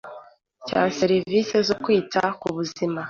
cya serivisi zo kwita ku buzima